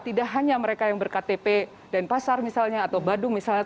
tidak hanya mereka yang berktp denpasar misalnya atau badung misalnya